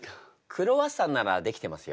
クロワッサンなら出来てますよ。